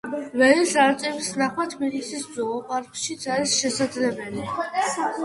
ველის არწივის ნახვა თბილისის ზოოპარკშიც არის შესაძლებელი.